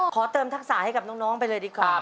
ขอเติมทักษะให้กับน้องไปเลยดีกว่า